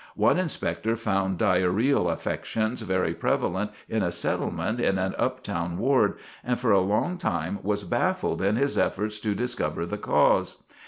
One inspector found diarrhoeal affections very prevalent in a settlement in an up town ward, and for a long time was baffled in his efforts to discover the cause.